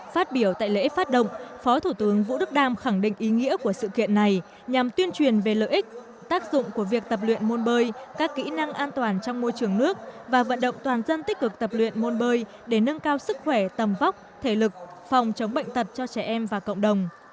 phát biểu tại lễ phát động phó thủ tướng vũ đức đam khẳng định ý nghĩa của sự kiện này nhằm tuyên truyền về lợi ích tác dụng của việc tập luyện môn bơi các kỹ năng an toàn trong môi trường nước và vận động toàn dân tích cực tập luyện môn bơi để nâng cao sức khỏe tầm vóc thể lực phòng chống bệnh tật cho trẻ em và cộng đồng